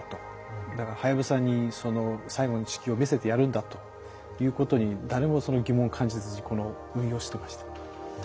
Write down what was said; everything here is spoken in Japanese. だからはやぶさに最後に地球を見せてやるんだいうことに誰も疑問を感じずにこの運用をしてました。